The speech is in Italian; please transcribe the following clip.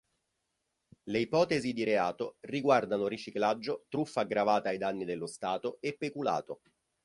Le ipotesi di reato riguardano riciclaggio, truffa aggravata ai danni dello Stato e peculato.